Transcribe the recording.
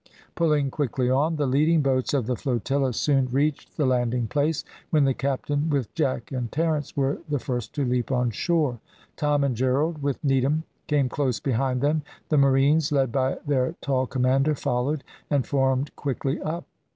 Pulling quickly on, the leading boats of the flotilla soon reached the landing place, when the captain, with Jack and Terence, were the first to leap on shore. Tom and Gerald, with Needham, came close behind them. The marines, led by their tall commander, followed, and formed quickly up.